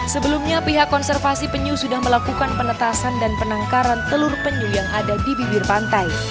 sebelumnya pihak konservasi penyu sudah melakukan penetasan dan penangkaran telur penyu yang ada di bibir pantai